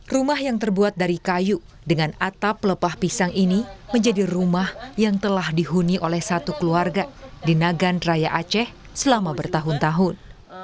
rumah yang terbuat dari kayu dengan atap lepah pisang ini menjadi rumah yang telah dihuni oleh satu keluarga di nagan raya aceh selama bertahun tahun